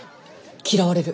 嫌われる。